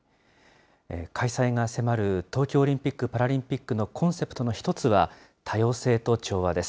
開催が迫る東京オリンピック・パラリンピックのコンセプトの一つは、多様性と調和です。